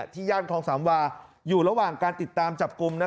ย่านคลองสามวาอยู่ระหว่างการติดตามจับกลุ่ม